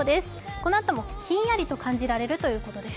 このあともひんやりと感じられるということです。